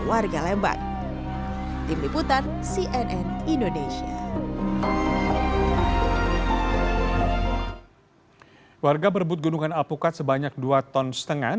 warga lembang tim liputan cnn indonesia warga berbut gunungan apukat sebanyak dua ton setengah